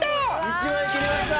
１万円切りました！